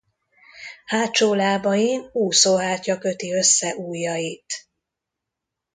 Hátsó lábain úszóhártya köti össze ujjait.